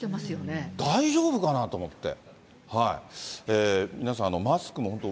大丈夫かなと思って。